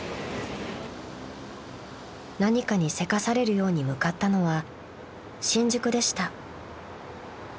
［何かにせかされるように向かったのは新宿でした］